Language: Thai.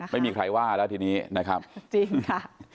ไม่มีใครว่าแล้วทีนี้นะครับจริงค่ะ